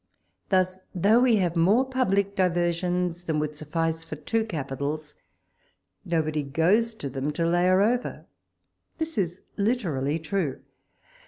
Thus, though we have more public diversions than would suffice for two r86 WALPOLE S LETTERS. capitals, nobody goes to them till they are over. This is literalfy true.